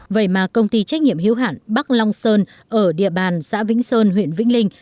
vậy mà công ty trách nhiệm hiếu hạn bắc long sơn ở địa bàn xã vĩnh sơn huyện vĩnh linh